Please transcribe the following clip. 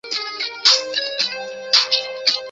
里斯本澳门联络处名称及组织的变更。